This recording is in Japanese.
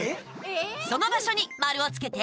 その場所に丸をつけて。